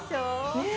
ねっ。